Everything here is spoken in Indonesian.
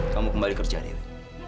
kamu kembali kerjaan ini